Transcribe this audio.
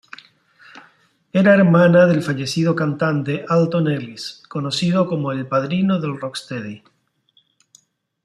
Era hermana del fallecido cantante Alton Ellis, conocido como "el padrino del rocksteady".